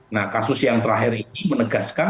nah kasus yang terakhir ini menegaskan